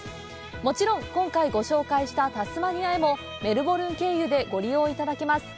もちろん今回ご紹介したタスマニアへもメルボルン経由でご利用いただけます。